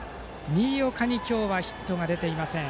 新岡に今日はヒットが出ていません。